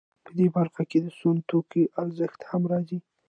په دې برخه کې د سون توکو ارزښت هم راځي